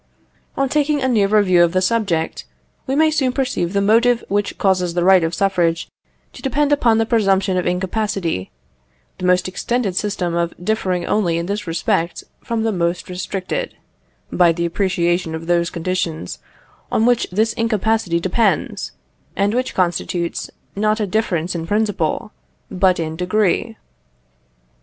On taking a nearer view of the subject, we may soon perceive the motive which causes the right of suffrage to depend upon the presumption of incapacity; the most extended system differing only in this respect from the most restricted, by the appreciation of those conditions on which this incapacity depends, and which constitutes, not a difference in principle, but in degree.